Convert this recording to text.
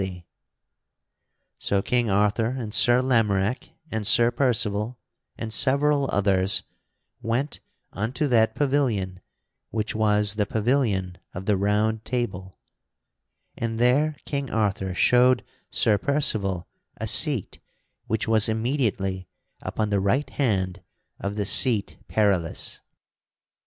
[Sidenote: Sir Percival is made Knight of the Round Table] So King Arthur and Sir Lamorack and Sir Percival and several others went unto that pavilion which was the pavilion of the Round Table, and there King Arthur showed Sir Percival a seat which was immediately upon the right hand of the Seat Perilous.